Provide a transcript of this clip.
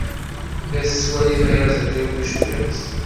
La tettwali tayaẓiḍt-iw tucbiḥt.